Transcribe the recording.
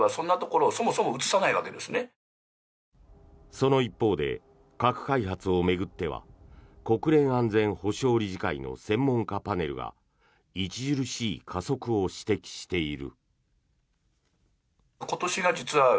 その一方で核開発を巡っては国連安全保障理事会の専門家パネルが著しい加速を指摘している。